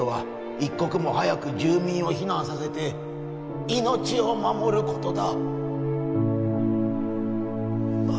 一刻も早く住民を避難させて命を守ることだ